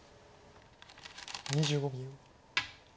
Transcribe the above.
２５秒。